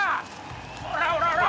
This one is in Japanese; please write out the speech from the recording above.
おらおらおら